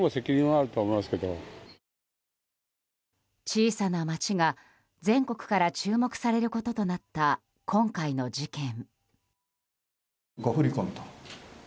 小さな町が全国から注目されることとなった今回の事件。